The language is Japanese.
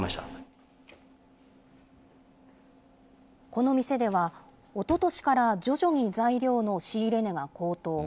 この店では、おととしから徐々に材料の仕入れ値が高騰。